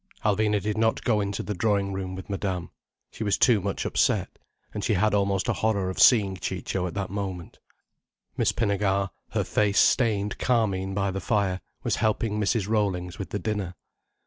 Alvina did not go into the drawing room with Madame. She was too much upset, and she had almost a horror of seeing Ciccio at that moment. Miss Pinnegar, her face stained carmine by the fire, was helping Mrs. Rollings with the dinner.